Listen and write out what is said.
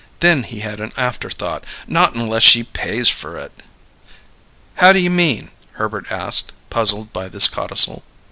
Then he had an afterthought. "Not unless she pays for it." "How do you mean?" Herbert asked, puzzled by this codicil.